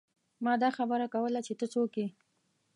ما دا خبره کوله چې ته څوک يې ۔